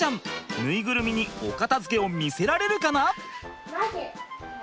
ぬいぐるみにお片づけを見せられるかな？